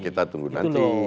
kita tunggu nanti